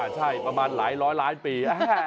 ใช่ประมาณหลายร้อยล้านปี